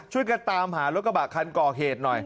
ช่วยกับตามหารถกบักคันก่อเฮท